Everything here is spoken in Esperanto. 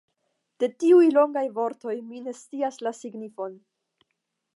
De tiuj longaj vortoj mi ne scias la signifon.